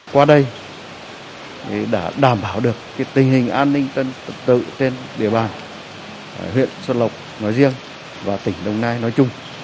qua đây đã đảm bảo được tình hình an ninh tự trên địa bàn huyện xuân lộc nói riêng và tỉnh đồng nai nói chung